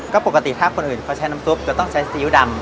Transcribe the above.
ก็ปกติถ้าคนอื่นเขาใช้น้ำซุปจะต้องใช้ซีอิ๊วดำ